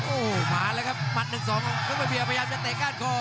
โอ้โหหมาแล้วครับมัดหนึ่งสองซุปเปอร์เบียร์พยายามจะเตะก้านคอ